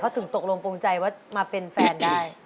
ถึงตกลงโปรงใจว่ามาเป็นแฟนได้